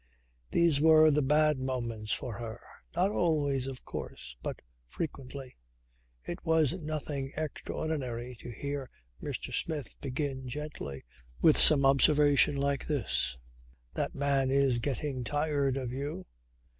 These were the bad moments for her. Not always, of course, but frequently. It was nothing extraordinary to hear Mr. Smith begin gently with some observation like this: "That man is getting tired of you."